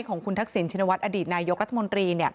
ของคุณทักษิณชินวัฒนอดีตนายกรัฐมนตรี